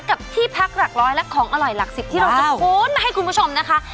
กับที่พักหลักร้อยและของอร่อยหลักสิบที่เราจะโค้นมาให้คุณผู้ชมนะคะ